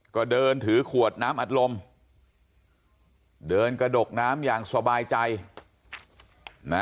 ก็เดินถือขวดน้ำอัดลมเดินกระดกน้ำอย่างสบายใจนะ